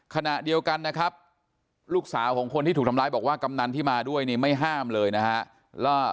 ขณะเดียวกันนะครับลูกสาวของคนที่ถูกทำร้ายบอกว่ากำนันที่มาด้วยนี่ไม่ห้ามเลยนะฮะ